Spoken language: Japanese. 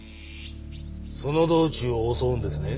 その道中を襲うんですね。